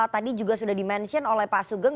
tadi juga sudah di mention oleh pak sugeng